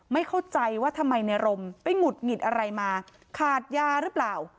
ไม่เข้าใจว่าทำไมในรมไปหงุดหงิดอะไรมาขาดยาหรือเปล่า